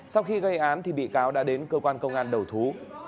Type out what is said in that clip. sau khi gây án thì bị cáo đã đến cơ quan công an đầu thú